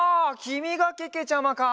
きみがけけちゃまか。